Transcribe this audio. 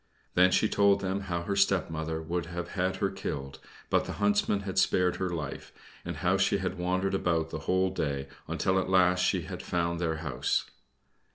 Then she told them how her stepmother would have had her killed, but the Huntsman had spared her life, and how she had wandered about the Whole day until at last she had found their house.